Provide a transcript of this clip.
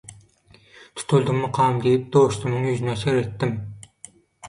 Tutuldymmykam diýip dostumyň ýüzüne seretdim.